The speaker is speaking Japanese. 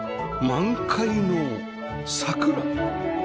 満開の桜